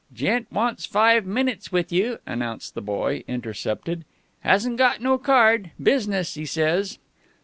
"Gent wants five minutes wit' you," announced the boy, intercepted. "Hasn't got no card. Business, he says."